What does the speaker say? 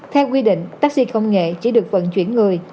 theo quy định taxi công nghệ chỉ được vận chuyển người